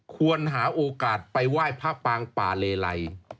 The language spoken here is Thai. ควรหาโอกาสไปไหว้พระปางป่าเลไล